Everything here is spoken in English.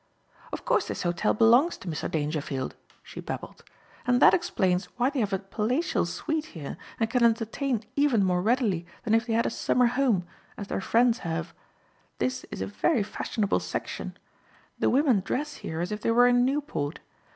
"Of course this hotel belongs to Mr. Dangerfield," she babbled, "and that explains why they have a palatial suite here and can entertain even more readily than if they had a summer home, as their friends have. This is a very fashionable section. The women dress here as if they were in Newport.